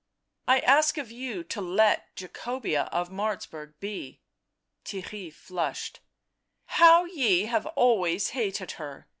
" I ask of you to let Jacobea of Martzburg be." Theirry flushed. " How ye have always hated her